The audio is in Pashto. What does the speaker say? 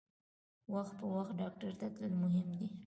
وخت په وخت ډاکټر ته تلل مهم دي.